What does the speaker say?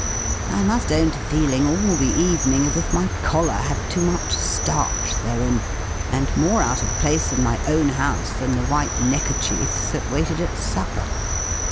I must own to feeling, all the evening, as if my collar had too much starch therein; and more out of place in my own house than the 'white neckerchiefs' that waited at supper.